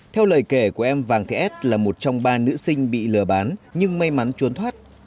theo lời kể của em vàng thị s là một trong ba nữ sinh bị lừa bán nhưng may mắn trốn thoát